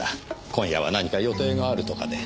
今夜は何か予定があるとかで。